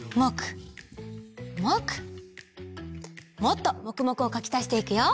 もっともくもくをかきたしていくよ！